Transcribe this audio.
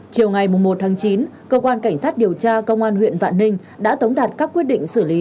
chiều ngày một tháng chín cơ quan cảnh sát điều tra công an huyện vạn ninh đã tống đạt các quyết định xử lý